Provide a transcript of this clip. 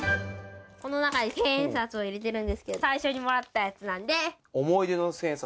この中に千円札を入れてるんですけど、最初にもらったやつな思い出の千円札。